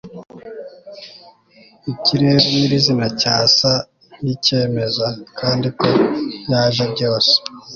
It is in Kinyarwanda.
ikirere nyirizina cyasa nkicyemeza kandi ko yaje byose